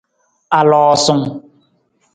Aloosung.